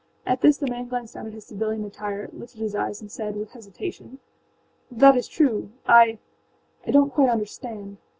â At this the man glanced down at his civilian attire, lifted his eyes, and said with hesitation: âThat is true. IâI donât quite understand.